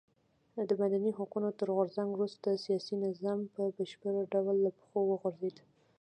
د مدني حقونو تر غورځنګ وروسته سیاسي نظام په بشپړ ډول له پښو وغورځېد.